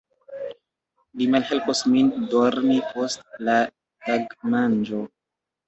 Li malhelpos min dormi post la tagmanĝo.